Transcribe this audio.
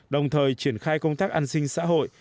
đồng thời triển khai công tác an sinh xã hội